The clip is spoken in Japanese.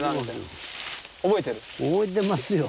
覚えてますよ